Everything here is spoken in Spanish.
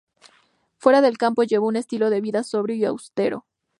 Fuera del campo llevó un estilo de vida sobrio y austero.